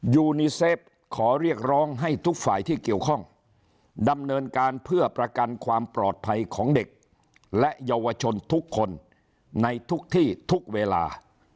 ยูนีเซฟขอเรียกร้องให้ทุกฝ่ายที่เกี่ยวข้องดำเนินการเพื่อประกันความปลอดภัยของเด็กและเยาวชนทุกคนในทุกที่ทุกเวลา